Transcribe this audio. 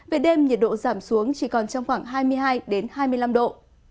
về đêm nhiệt độ giảm xuống chỉ còn trong khoảng hai mươi hai hai mươi năm độ